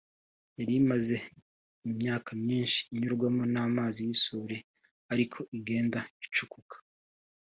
yari imaze imyaka myinshi inyurwamo n’amazi y’isuri ari ko igenda icukuka